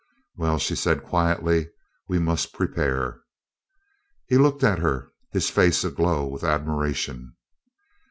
"Well," she said quietly, "we must prepare." He looked at her, his face aglow with admiration.